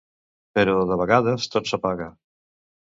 Però, de vegades, tot s'apaga.